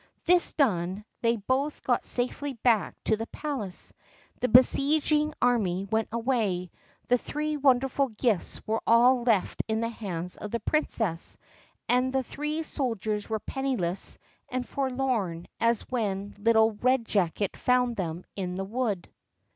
This done, they both got safely back to the palace, the besieging army went away, the three wonderful gifts were all left in the hands of the princess, and the three soldiers were as penniless and forlorn as when little Red jacket found them in the wood.